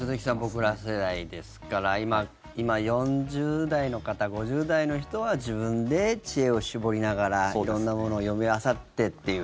僕ら世代ですから今、４０代の方、５０代の人は自分で知恵を絞りながら色んなものを読みあさってという。